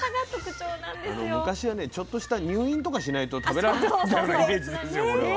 昔はねちょっとした入院とかしないと食べられなかったフルーツですよこれは。